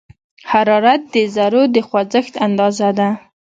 حرارت د ذرّو د خوځښت اندازه ده.